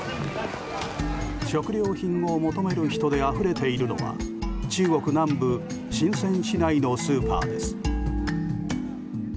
食料品を求める人であふれているのは中国南部シンセン市内のスーパーです。